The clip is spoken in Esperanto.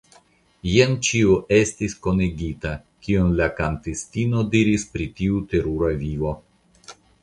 jen ĉio estis kunigita, kion la kantistino diris pri tiu terura viro.